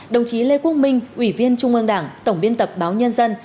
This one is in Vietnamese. đồng chí lê quốc minh ủy viên trung ương đảng tổng biên tập báo nhân dân